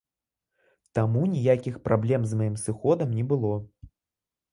Таму ніякіх праблем з маім сыходам не было.